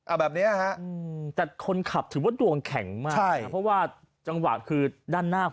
แบบเนี้ยฮะอืมแต่คนขับถือว่าดวงแข็งมากใช่เพราะว่าจังหวะคือด้านหน้า